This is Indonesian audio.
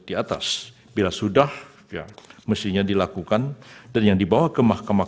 di atas bila sudah ya mestinya dilakukan dan yang dibawa ke mahkamah